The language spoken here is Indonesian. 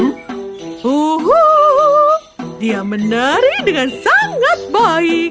huhuu dia menari dengan sangat baik